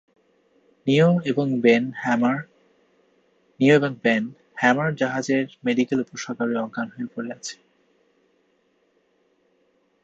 নিও এবং Ben "Hammer" জাহাজের মেডিকেল উপসাগরে অজ্ঞান হয়ে পড়ে আছে।